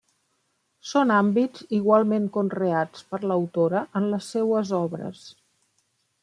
Són àmbits igualment conreats per l'autora en les seues obres.